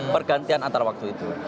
pergantian antara waktu itu